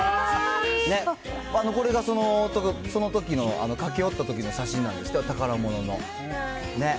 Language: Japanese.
これがそのときの駆け寄ったときの写真なんですって、宝物の。ね。